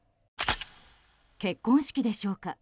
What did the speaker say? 結婚式でしょうか。